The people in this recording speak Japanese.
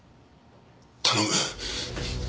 頼む。